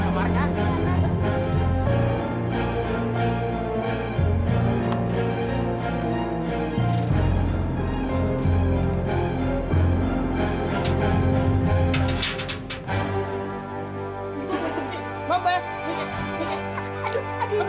masih sakit itu